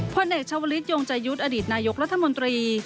ผลเอกชาวลิตยงจายุดอดีตนายกรัฐมนตรี